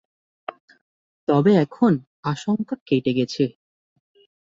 তবে এখন আশঙ্কা কেটে গেছে।